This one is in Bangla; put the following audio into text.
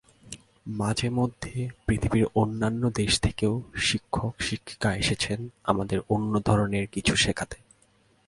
মাঝেমধ্যে পৃথিবীর অন্যান্য দেশ থেকেও শিক্ষক-শিক্ষিকা এসেছেন আমাদের অন্য ধরনের কিছু শেখাতে।